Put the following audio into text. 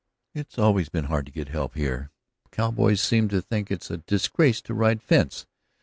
"It's always been hard to get help here; cowboys seem to think it's a disgrace to ride fence.